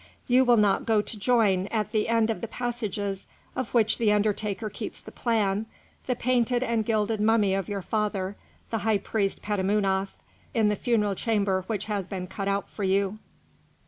You will not go to join, at the end of the passages of which the undertaker keeps the plan, the painted and gilded mummy of your father, the high priest Petamounoph, in the funeral chamber which has been cut out for you."